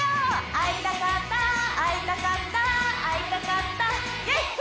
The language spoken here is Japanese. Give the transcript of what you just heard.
会いたかった会いたかった会いたかったＹｅｓ！